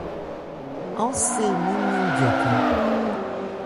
An sé mɛn nmyɔ̂n jɛtɛn.